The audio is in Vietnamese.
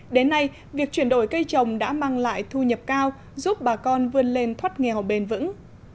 đến nay việc chuyển đổi cây trồng đã mang lại thu nhập cao giúp bà con vươn lên thoát nghèo bền vững